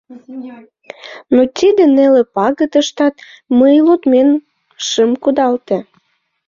Но тиде неле пагытыштат мый лудмем шым кудалте.